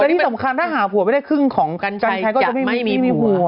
แต่ที่สำคัญถ้าหาผัวไม่ได้ครึ่งของกัญชัยจะไม่มีผัว